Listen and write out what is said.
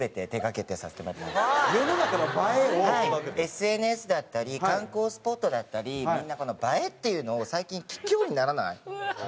ＳＮＳだったり観光スポットだったりみんなこの映えっていうのを最近聞くようにならない？うわ！